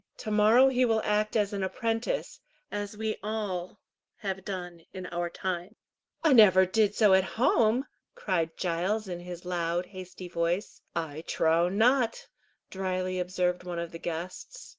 To morrow he will act as an apprentice, as we all have done in our time." "I never did so at home!" cried Giles, in his loud, hasty voice. "I trow not," dryly observed one of the guests.